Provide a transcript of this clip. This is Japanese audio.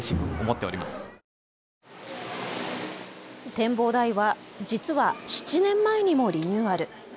展望台は実は７年前にもリニューアル。